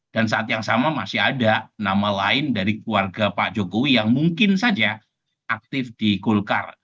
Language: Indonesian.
saat yang sama masih ada nama lain dari keluarga pak jokowi yang mungkin saja aktif di golkar